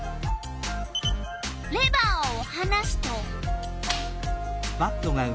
レバーをはなすと。